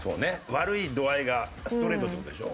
悪い度合いがストレートっていう事でしょ？